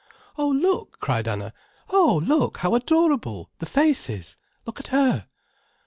"Oh, look!" cried Anna. "Oh, look how adorable, the faces! Look at her."